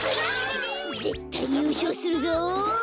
ぜったいゆうしょうするぞ！